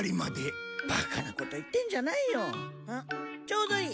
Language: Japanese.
ちょうどいい。